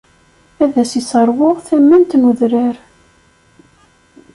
Ad as-isseṛwu tament n udrar.